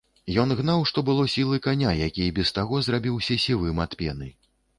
Ён гнаў што было сілы каня, які і без таго зрабіўся сівым ад пены.